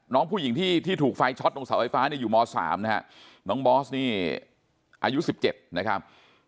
น้องผู้หญิงที่ถูกไฟช็อตตรงเสาไฟฟ้าเนี่ยอยู่ม๓นะฮะน้องบอสนี่อายุ๑๗นะครับ